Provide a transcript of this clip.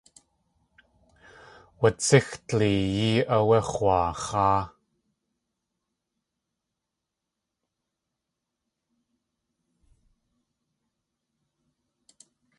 Watsíx dleeyí áwé x̲waax̲áa.